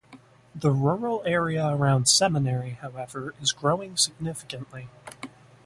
The rural area around Seminary, however, is growing significantly.